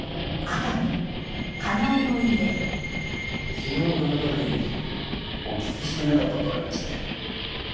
昨日伺った時お聞きしていなかった事がありまして。